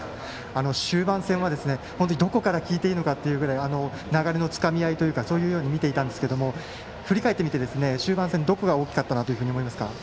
終盤戦はどこから聞いていいのかというぐらい流れのつかみ合いというかそのように見ていたんですが振り返ってみて、終盤戦どこが大きかったと感じますか。